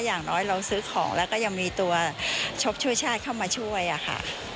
อย่างน้อยเราซื้อของแล้วก็ยังมีตัวชกช่วยชาติเข้ามาช่วยอะค่ะ